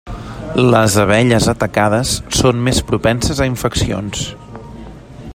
Les abelles atacades són més propenses a infeccions.